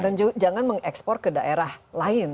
dan jangan mengekspor ke daerah lain